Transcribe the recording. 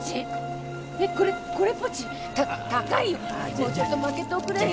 もうちょっとまけておくれよ！